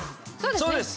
そうです。